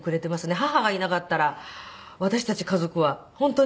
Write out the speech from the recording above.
義母がいなかったら私たち家族は本当に。